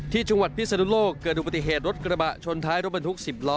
ที่จังหวัดพิศนุโลกเกิดอุบัติเหตุรถกระบะชนท้ายรถบรรทุก๑๐ล้อ